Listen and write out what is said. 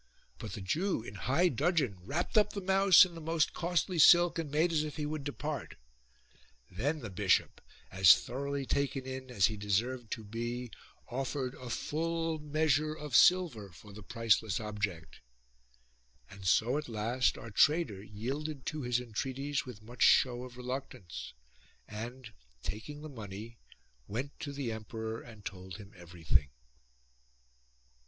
But the Jew in high dudgeon wrapped up the mouse in the most costly silk and made as if he would depart. Then the bishop, as thoroughly taken in as he deserved E.C. 81 F THE PAINTED MOUSE to be, offered a full measure of silver for the pricelcds object. And so at last our trader yielded to his entreaties with much show of reluctance : and, taking the money, went to the emperor and told him every thing.